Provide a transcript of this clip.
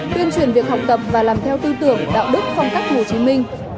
tuyên truyền việc học tập và làm theo tư tưởng đạo đức phong cách hồ chí minh